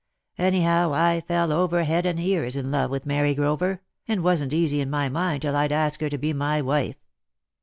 Anyhow, I fell over head and ears in love with Mary Grover, and wasn't easy in my mind till I'd asked her to be my wife.